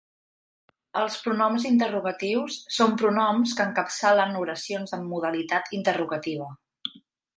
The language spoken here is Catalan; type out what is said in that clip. Els pronoms interrogatius són pronoms que encapçalen oracions amb modalitat interrogativa.